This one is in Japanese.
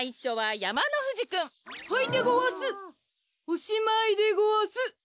おしまいでごわす。